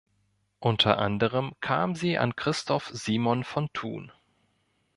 Unter anderem kam sie an Christoph Simon von Thun.